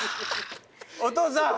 お父さん。